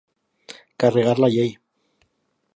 Carregar la llei.